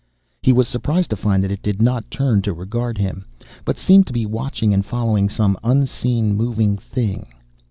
He was surprised to find that it did not turn to regard him, but seemed to be watching and following some unseen moving thing.